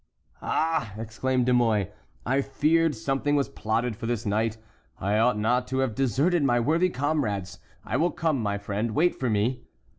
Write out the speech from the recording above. "Ah!" exclaimed De Mouy, "I feared something was plotted for this night. I ought not to have deserted my worthy comrades. I will come, my friend,—wait for me."